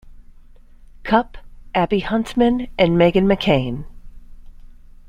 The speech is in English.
Cupp, Abby Huntsman, and Meghan McCain.